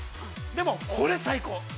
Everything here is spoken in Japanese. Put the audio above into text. でも、これ最高。